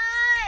con đâu rồi